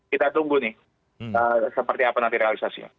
kita tunggu nih seperti apa nanti realisasinya